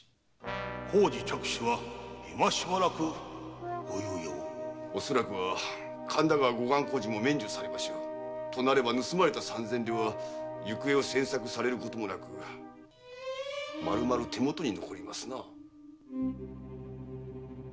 〔工事着手は今しばらくご猶予を〕恐らくは神田川護岸工事も免除されましょう。となれば盗まれた三千両は行方を詮索されることもなくまるまる手元に残りますな。